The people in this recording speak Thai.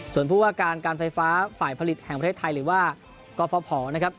ส่วนผู้ว่าการการไฟฟ้าฝ่ายผลิตแห่งประเทศไทยหรือว่ากฟภนะครับ